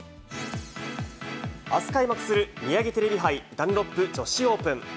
あす開幕する、ミヤギテレビ杯ダンロップ女子オープン。